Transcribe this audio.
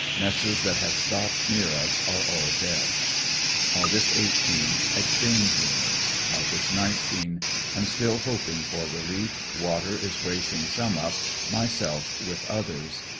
Messes that have stopped near us are all dead, Aug. 18. — Exchange rumors . Aug. 19. — Am still hoping for relief. Water is bracing some up, myself with others.